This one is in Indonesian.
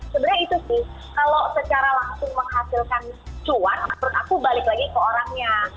sebenarnya itu sih kalau secara langsung menghasilkan cuan menurut aku balik lagi ke orangnya